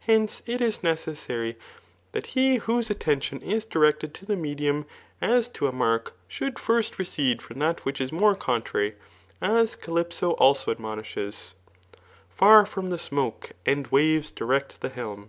Hence, it is necessary that he whose attention is directed to the medium as to a mark, should first recede from that which is more contrary, as Calypso also admonishes : Far from the smoke and wares direct the behn.